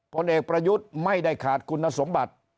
ผลเอกประยุทธ์ไม่ได้ขาดคุณสมบัติ